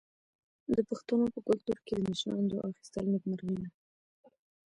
د پښتنو په کلتور کې د مشرانو دعا اخیستل نیکمرغي ده.